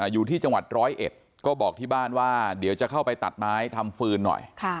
อยู่ที่จังหวัดร้อยเอ็ดก็บอกที่บ้านว่าเดี๋ยวจะเข้าไปตัดไม้ทำฟืนหน่อย